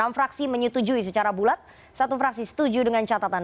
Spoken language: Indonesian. enam fraksi menyetujui secara bulat satu fraksi setuju dengan catatan